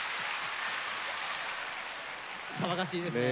騒がしいですね。